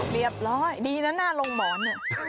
เรียบร้อยดีนะหน้าลงหมอน